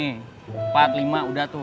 empat lima udah tuh